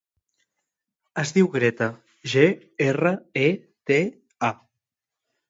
Es diu Greta: ge, erra, e, te, a.